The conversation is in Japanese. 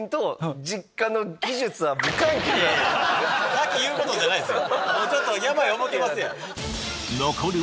先言うことじゃないっすよ。